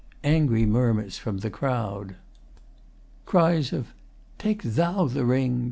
Angry murmurs from the crowd. Cries of 'Take thou the ring!